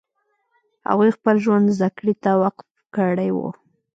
هغو خپل ژوند زدکړې ته وقف کړی و